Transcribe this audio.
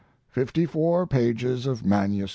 Fifty four pages of MS.